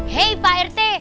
hei pak rt